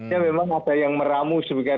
ya memang ada yang meramu sebagai